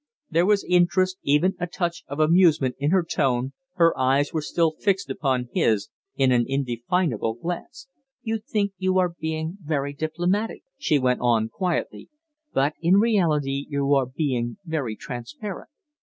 There was interest, even a touch of amusement, in her tone, her eyes were still fixed upon his in an indefinable glance. "You think you are being very diplomatic," she went on, quietly, "but in reality you are being very transparent.